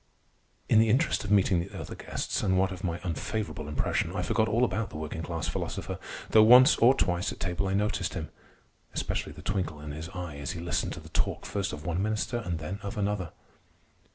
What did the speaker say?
In the interest of meeting the other guests, and what of my unfavorable impression, I forgot all about the working class philosopher, though once or twice at table I noticed him—especially the twinkle in his eye as he listened to the talk first of one minister and then of another.